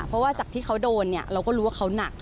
เพราะว่าจากที่เขาโดนเนี่ยเราก็รู้ว่าเขาหนัก